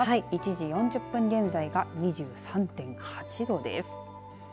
１時４０分現在は２３．８度です。